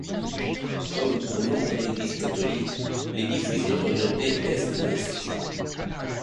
Comme pour nombre d'églises catholiques, l'édifice est orienté est-ouest.